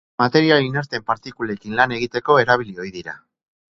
Material inerteen partikulekin lan egiteko erabili ohi dira.